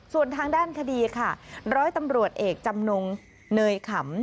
ส่วนทางด้านคดีค่ะร้อยตำรวจเอกจำนงเนยขำ